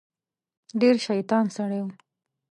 ډیر شیطان سړی و.